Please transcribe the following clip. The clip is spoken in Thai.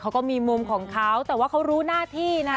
เขาก็มีมุมของเขาแต่ว่าเขารู้หน้าที่นะ